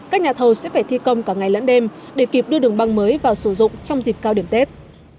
các nhà thầu sẽ phải thi công cả ngày lẫn đêm để kịp đưa đường băng mới vào sử dụng trong dịp cao điểm tết